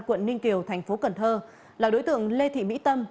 quận ninh kiều thành phố cần thơ là đối tượng lê thị mỹ tâm